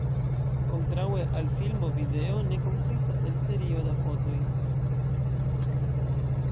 Kontraŭe al filmo video ne konsistas el serio da fotoj.